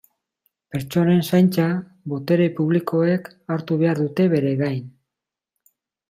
Pertsonen zaintza botere publikoek hartu behar dute bere gain.